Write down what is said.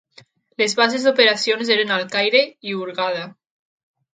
Les bases d'operacions eren el Caire i Hurghada.